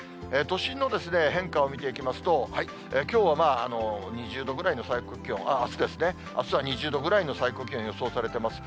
都心の変化を見ていきますと、きょうは２０度ぐらいの最高気温、あすですね、あすは２０度ぐらいの最高気温予想されてます。